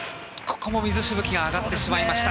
ここも水しぶきが上がってしまいました。